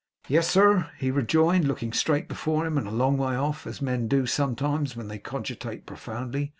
'Yes, sir,' he rejoined, looking straight before him and a long way off, as men do sometimes when they cogitate profoundly.